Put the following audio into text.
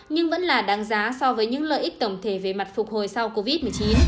nhưng vẫn là đáng giá so với những lợi ích tổng thể về mặt phục hồi sau covid một mươi chín